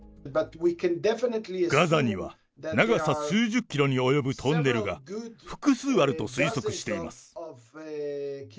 ガザには長さ数十キロに及ぶトンネルが複数あると推測しています。